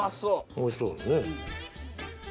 おいしそうだね。